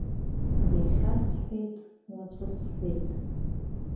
Иахьа сҳәеит, уаҵәы сҳәеит.